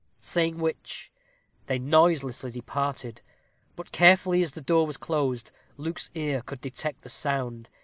Saying which, they noiselessly departed. But carefully as the door was closed, Luke's ear could detect the sound.